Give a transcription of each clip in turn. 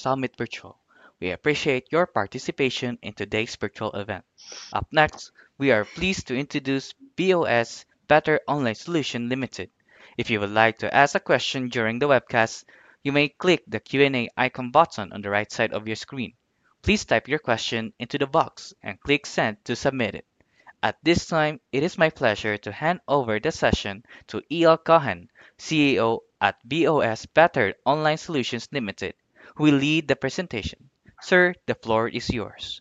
Summit Virtual. We appreciate your participation in today's virtual event. Up next, we are pleased to introduce BOS Better Online Solutions Limited. If you would like to ask a question during the webcast, you may click the Q&A icon button on the right side of your screen. Please type your question into the box and click Send to submit it. At this time, it is my pleasure to hand over the session to Eyal Cohen, CEO at BOS Better Online Solutions Limited, who will lead the presentation. Sir, the floor is yours.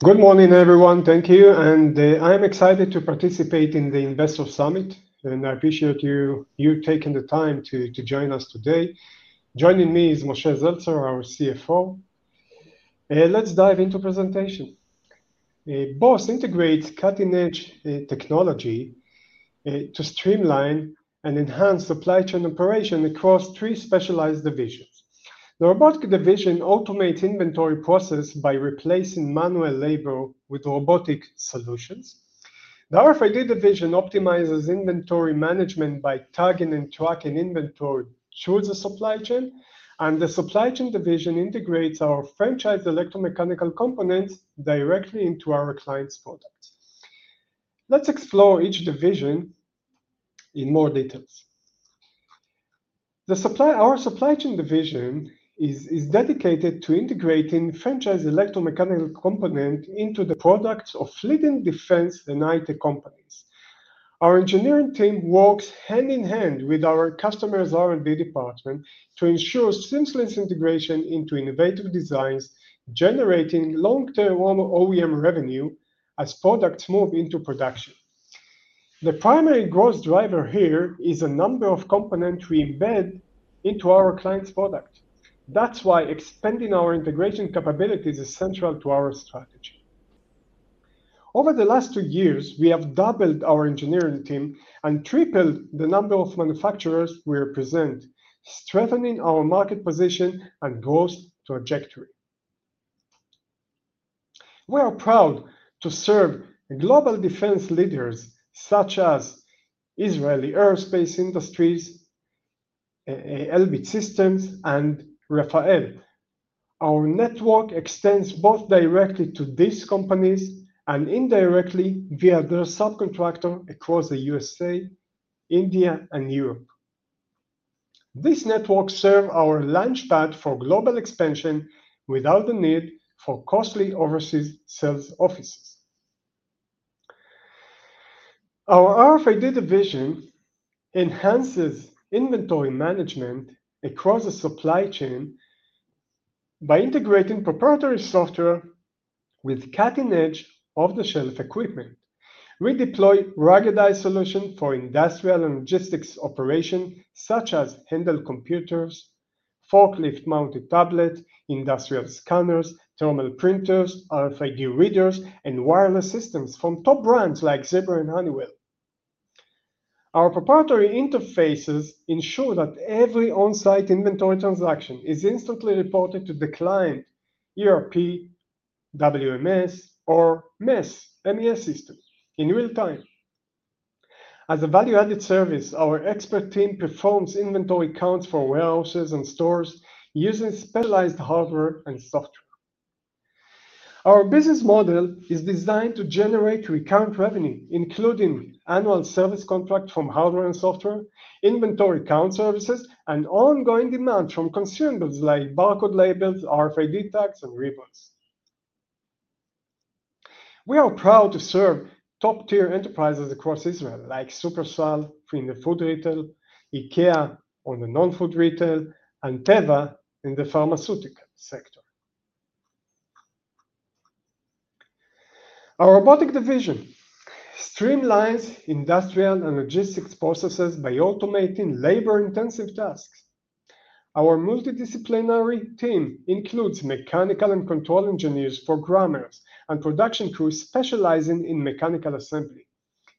Good morning, everyone. Thank you. And I'm excited to participate in the Investors Summit, and I appreciate you taking the time to join us today. Joining me is Moshe Zeltzer, our CFO. Let's dive into the presentation. BOS integrates cutting-edge technology to streamline and enhance supply chain operations across three specialized divisions. The Robotic Division automates inventory processes by replacing manual labor with robotic solutions. The RFID Division optimizes inventory management by tagging and tracking inventory through the supply chain. And the Supply Chain Division integrates our franchise electromechanical components directly into our clients' products. Let's explore each division in more detail. The Supply Chain Division is dedicated to integrating franchise electromechanical components into the products of leading defense and IT companies. Our engineering team works hand in hand with our customers' R&D department to ensure seamless integration into innovative designs, generating long-term OEM revenue as products move into production. The primary growth driver here is the number of components we embed into our clients' products. That's why expanding our integration capabilities is central to our strategy. Over the last two years, we have doubled our engineering team and tripled the number of manufacturers we represent, strengthening our market position and growth trajectory. We are proud to serve global defense leaders such as Israel Aerospace Industries, Elbit Systems, and Rafael. Our network extends both directly to these companies and indirectly via their subcontractors across the USA, India, and Europe. This network serves as our launchpad for global expansion without the need for costly overseas sales offices. Our RFID Division enhances inventory management across the supply chain by integrating proprietary software with cutting-edge off-the-shelf equipment. We deploy ruggedized solutions for industrial and logistics operations, such as handheld computers, forklift-mounted tablets, industrial scanners, thermal printers, RFID readers, and wireless systems from top brands like Zebra and Honeywell. Our proprietary interfaces ensure that every on-site inventory transaction is instantly reported to the client, ERP, WMS, or MES system in real time. As a value-added service, our expert team performs inventory counts for warehouses and stores using specialized hardware and software. Our business model is designed to generate recurrent revenue, including annual service contracts from hardware and software, inventory count services, and ongoing demand from consumers like barcode labels, RFID tags, and ribbons. We are proud to serve top-tier enterprises across Israel, like Shufersal in the food retail, IKEA in the non-food retail, and Teva in the pharmaceutical sector. Our Robotic Division streamlines industrial and logistics processes by automating labor-intensive tasks. Our multidisciplinary team includes mechanical and control engineers for grommers and production crews specializing in mechanical assembly,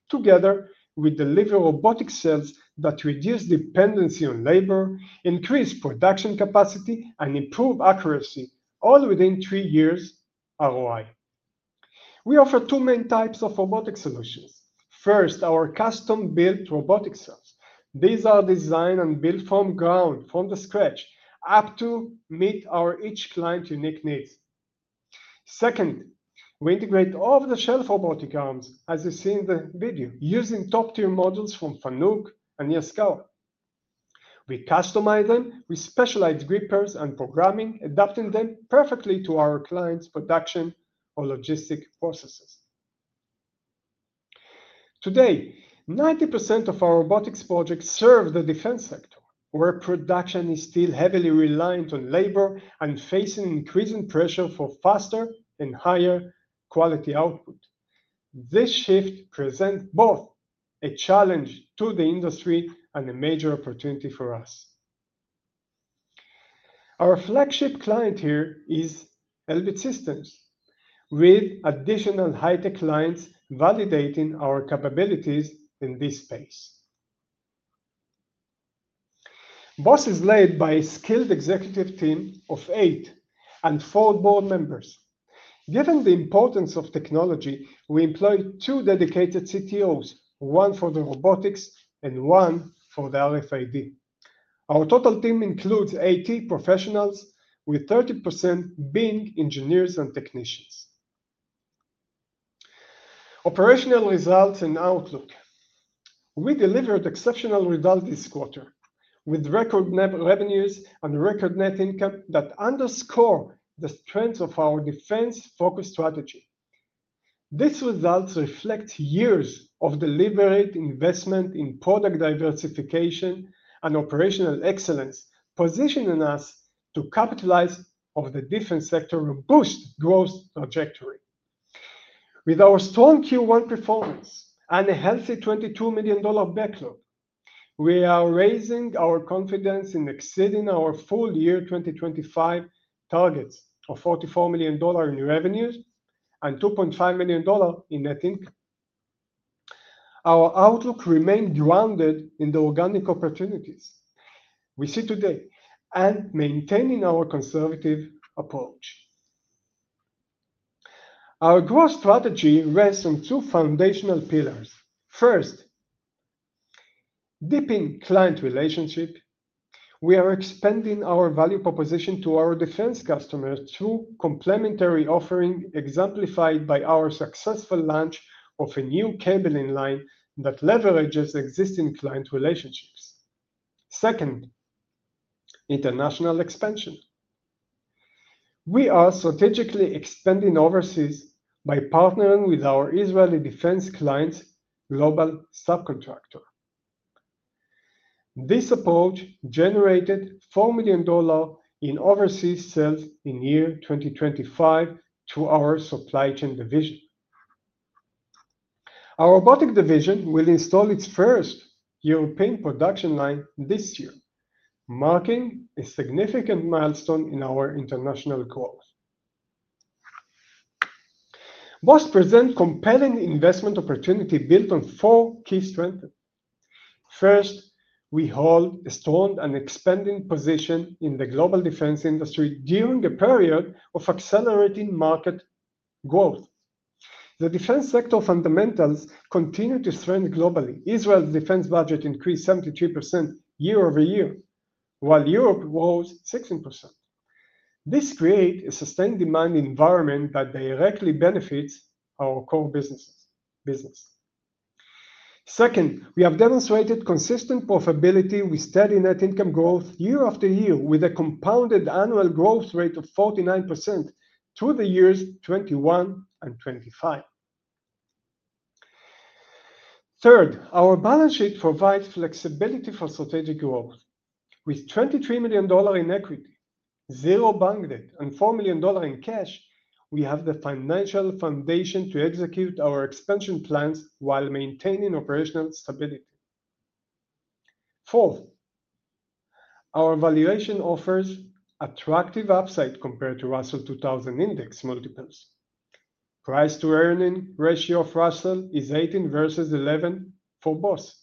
together with delivering robotic cells that reduce dependency on labor, increase production capacity, and improve accuracy, all within three years ROI. We offer two main types of robotic solutions. First, our custom-built robotic cells. These are designed and built from ground, from the scratch, up to meeting each client's unique needs. Second, we integrate off-the-shelf robotic arms, as you see in the video, using top-tier models from Fanuc and Yaskawa. We customize them with specialized grippers and programming, adapting them perfectly to our clients' production or logistic processes. Today, 90% of our robotics projects serve the defense sector, where production is still heavily reliant on labor and facing increasing pressure for faster and higher quality output. This shift presents both a challenge to the industry and a major opportunity for us. Our flagship client here is Elbit Systems, with additional high-tech lines validating our capabilities in this space. BOS is led by a skilled executive team of eight and four board members. Given the importance of technology, we employ two dedicated CTOs, one for the robotics and one for the RFID. Our total team includes 80 professionals, with 30% being engineers and technicians. Operational results and outlook. We delivered exceptional results this quarter, with record revenues and record net income that underscore the strength of our defense-focused strategy. These results reflect years of deliberate investment in product diversification and operational excellence, positioning us to capitalize on the defense sector and boost growth trajectory. With our strong Q1 performance and a healthy $22 million backlog, we are raising our confidence in exceeding our full-year 2025 targets of $44 million in revenues and $2.5 million in net income. Our outlook remains grounded in the organic opportunities we see today and maintaining our conservative approach. Our growth strategy rests on two foundational pillars. First, deepened client relationship. We are expanding our value proposition to our defense customers through complementary offering exemplified by our successful launch of a new cabling line that leverages existing client relationships. Second, international expansion. We are strategically expanding overseas by partnering with our Israeli defense clients, global subcontractor. This approach generated $4 million in overseas sales in year 2025 to our Supply Chain Division. Our Robotic Division will install its first European production line this year, marking a significant milestone in our international growth. BOS presents compelling investment opportunities built on four key strengths. First, we hold a strong and expanding position in the global defense industry during a period of accelerating market growth. The defense sector fundamentals continue to strengthen globally. Israel's defense budget increased 73% year over year, while Europe rose 16%. This creates a sustained demand environment that directly benefits our core business. Second, we have demonstrated consistent profitability with steady net income growth year after year, with a compounded annual growth rate of 49% through the years 2021 and 2025. Third, our balance sheet provides flexibility for strategic growth. With $23 million in equity, zero bank debt, and $4 million in cash, we have the financial foundation to execute our expansion plans while maintaining operational stability. Fourth, our valuation offers attractive upside compared to Russell 2000 index multiples. Price-to-earning ratio of Russell is 18 versus 11 for BOS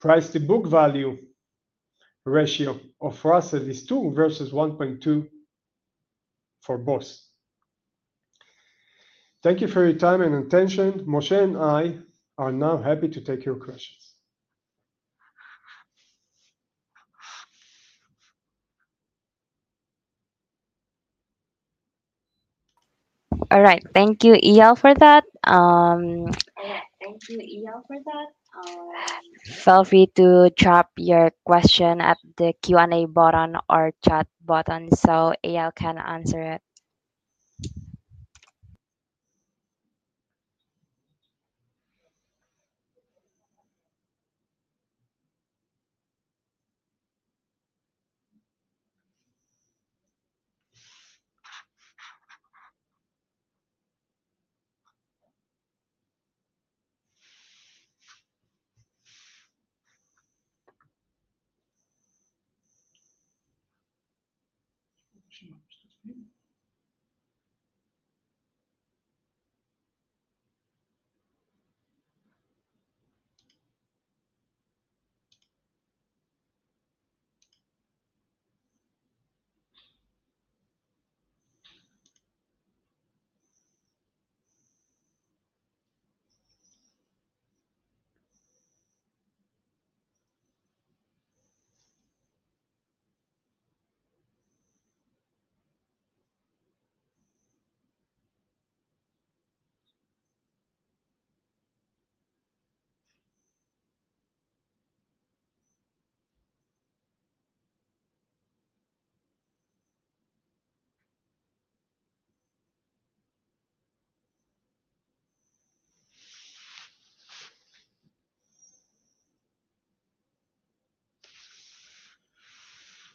Price-to-book value ratio of Russell is 2 versus 1.2 for BOS Thank you for your time and attention. Moshe and I are now happy to take your questions. All right. Thank you, Eyal, for that. Thank you, Eyal, for that. Feel free to drop your question at the Q&A button or chat button so Eyal can answer it. Is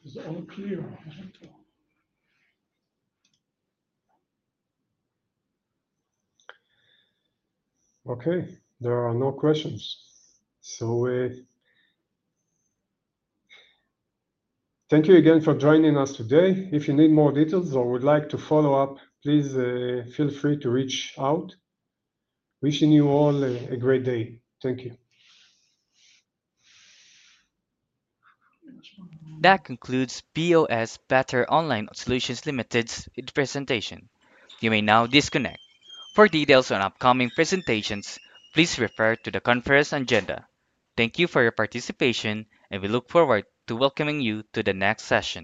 it all clear? Okay. There are no questions. Thank you again for joining us today. If you need more details or would like to follow up, please feel free to reach out. Wishing you all a great day. Thank you. That concludes BOS Better Online Solutions Limited's presentation. You may now disconnect. For details on upcoming presentations, please refer to the conference agenda. Thank you for your participation, and we look forward to welcoming you to the next session.